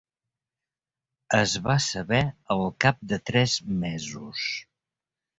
Es va saber al cap de tres mesos.